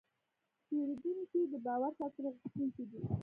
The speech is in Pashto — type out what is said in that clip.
پیرودونکی د باور ساتلو غوښتونکی دی.